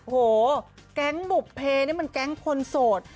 โหแก๊งบุภเพนี่มันแก๊งคนโสด